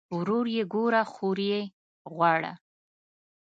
ورور ئې ګوره خور ئې غواړه